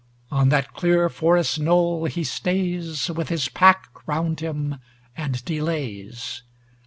On that clear forest knoll he stays, With his pack round him, and delays.